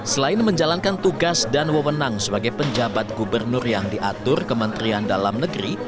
selain menjalankan tugas dan wewenang sebagai penjabat gubernur yang diatur kementerian dalam negeri